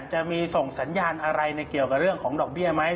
จะมีส่งสัญญาณอะไรในเกี่ยวกับเรื่องของดอกเบี้ยไหม